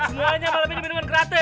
semuanya malam ini minuman gratis